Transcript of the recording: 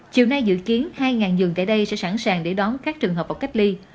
chiều nay dự kiến hai dường tại đây sẽ sẵn sàng để đón các trường hợp vào cách ly